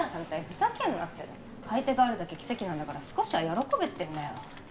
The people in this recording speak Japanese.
ふざけんなっての買い手があるだけ奇跡なんだから少しは喜べってんだよ！